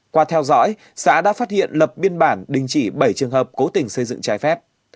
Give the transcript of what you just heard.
qua theo dõi xã đã phát hiện lập biên bản đình chỉ bảy trường hợp cố tình xây dựng trái phép